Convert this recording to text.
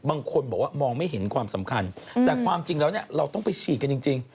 บางคนบอกว่ามองไม่เห็นความสำคัญแต่ความจริงแล้วเนี่ยเราต้องไปฉีดกันจริง